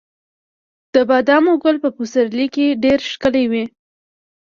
د بادامو ګل په پسرلي کې ډیر ښکلی وي.